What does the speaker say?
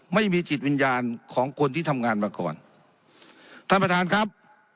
ไม่มีจิตวิญญาณของคนที่ทำงานมาก่อนท่านประธานครับ